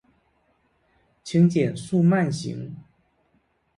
请减速慢行